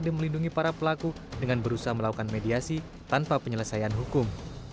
dan juga mendukungi para pelaku dengan berusaha melakukan mediasi tanpa penyelesaian hukum